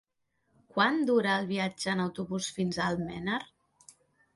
Quant dura el viatge en autobús fins a Almenar?